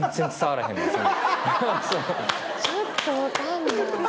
ちょっと分かんない。